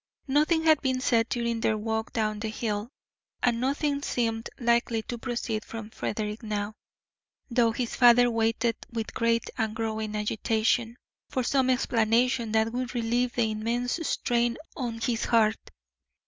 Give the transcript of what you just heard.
Nothing had been said during their walk down the hill, and nothing seemed likely to proceed from Frederick now, though his father waited with great and growing agitation for some explanation that would relieve the immense strain on his heart.